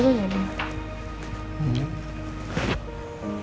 bangun aja deh